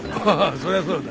そりゃそうだ。